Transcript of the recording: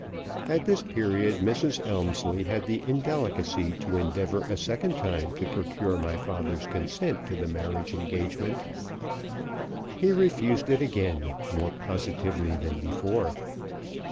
At this period Mrs. Elmslie had the indelicacy to endeavor a second time to procure my father's consent to the marriage engagement. He refused it again more positively than before.